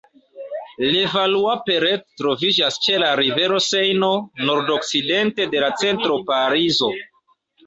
Levallois-Perret troviĝas ĉe la rivero Sejno, nordokcidente de la centro Parizo.